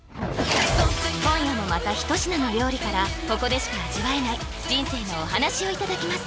今夜もまた一品の料理からここでしか味わえない人生のお話をいただきます